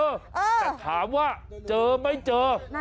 แต่ถามว่าเจอไม่เจอ